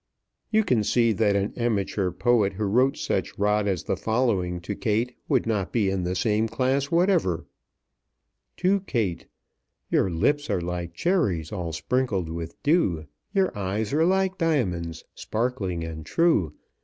You can see that an amateur poet who wrote such rot as the following to Kate would not be in the same class whatever: TO KATE "Your lips are like cherries All sprinkled with dew; Your eyes are like diamonds, Sparkling and true.